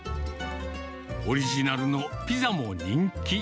オリジナルのピザも人気。